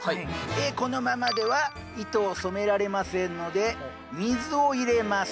このままでは糸を染められませんので水を入れます。